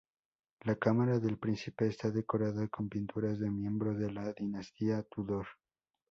La Cámara del Príncipe está decorada con pinturas de miembros de la dinastía Tudor.